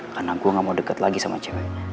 karena gue gak mau deket lagi sama cewek